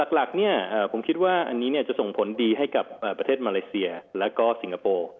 หลักผมคิดว่าอันนี้จะส่งผลดีให้กับประเทศมาเลเซียแล้วก็สิงคโปร์